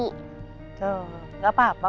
tuh gak apa apa